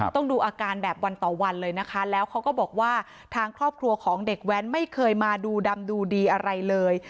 ดูอาการแบบวันต่อวันเลยนะคะแล้วเขาก็บอกว่าทางครอบครัวของเด็กแว้นไม่เคยมาดูดำดูดีอะไรเลย